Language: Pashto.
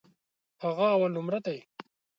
هغه اولنومره دی.